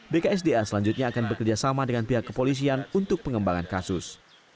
bksda selanjutnya akan bekerjasama dengan pihak kepolisian untuk pengembangan kasus